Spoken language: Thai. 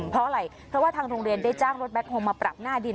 เพราะอะไรเพราะว่าทางโรงเรียนได้จ้างรถแคคโฮลมาปรับหน้าดิน